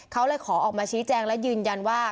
เขาเลยขอออกมาชี้แจงและยืนยันว่า